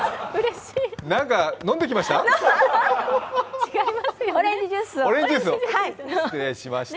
何か飲んできました？